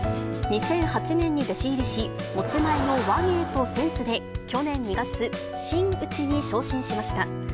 ２００８年に弟子入りし、持ち前の話芸とセンスで、去年２月、真打ちに昇進しました。